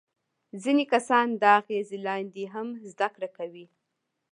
ځینې کسان د اغیز لاندې هم زده کړه کوي.